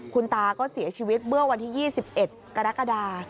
คุณตาก็เสียชีวิตเมื่อวันที่๒๑กรกฎา